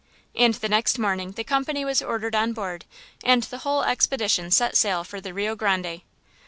And the next morning the company was ordered on board and the whole expedition set sail for the Rio Grande.